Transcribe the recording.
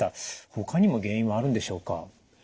ほかにも原因はあるんでしょうか？